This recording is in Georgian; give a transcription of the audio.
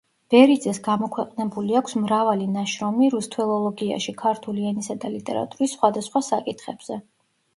ბერიძეს გამოქვეყნებული აქვს მრავალი ნაშრომი რუსთველოლოგიაში, ქართული ენისა და ლიტერატურის სხვადასხვა საკითხებზე.